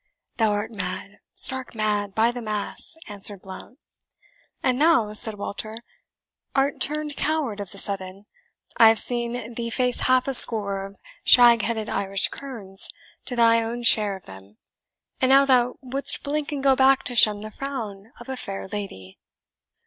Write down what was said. "Thou art mad, stark mad, by the Mass!" answered Blount. "And thou," said Walter, "art turned coward of the sudden. I have seen thee face half a score of shag headed Irish kerns to thy own share of them; and now thou wouldst blink and go back to shun the frown of a fair lady!"